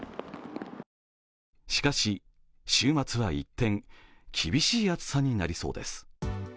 しかし、週末は一転、厳しい暑さになりそうです。